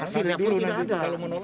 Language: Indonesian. hasilnya pun tidak ada